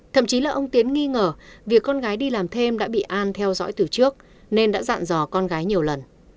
thậm chí là ông tiến nghi ngờ việc con gái đi làm thêm đã bị an theo dõi từ trước nên đã dặn dò con gái nhiều lần